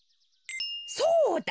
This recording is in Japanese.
そうだ！